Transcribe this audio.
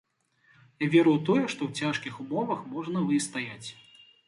Я веру ў тое, што ў цяжкіх умовах можна выстаяць.